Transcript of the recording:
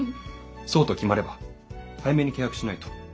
そうと決まれば早めに契約しないと。